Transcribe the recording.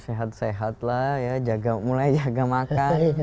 sehat sehat lah ya mulai jaga makan